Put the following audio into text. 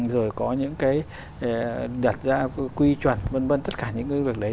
rồi có những đặt ra quy chuẩn v v tất cả những việc đấy